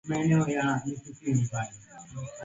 ja na mambo mengine mabandiliko hayo ni pamoja na kuongezwa